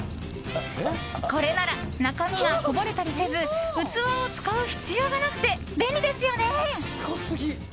これなら中身がこぼれたりせず器を使う必要がなくて便利ですよね。